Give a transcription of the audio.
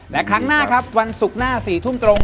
และครั้งหน้าครับวันศุกร์หน้า๔ทุ่มตรง